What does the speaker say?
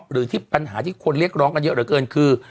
หรือที่ปัญหาที่คนเรียกร้องกันเยอะเหลือเกินคือ